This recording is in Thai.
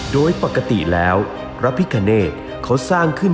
โดยปกติแล้วพระพิคเนตเขาสร้างขึ้น